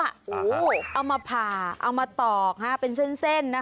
โอ้โหเอามาผ่าเอามาตอกเป็นเส้นนะคะ